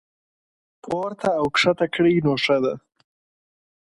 پورته او کښته کړي نو ښه ده.